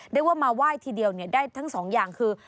ได้ว่ามาไหว้ทีเดียวเนี่ยได้ทั้งสองอย่างคือ